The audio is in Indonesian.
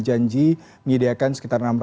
janji menyediakan sekitar enam ratus